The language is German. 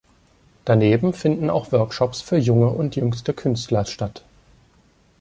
Daneben finden auch Workshops für junge und jüngste Künstler statt.